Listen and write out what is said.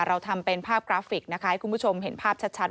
เราทำเป็นภาพกราฟิกนะคะให้คุณผู้ชมเห็นภาพชัด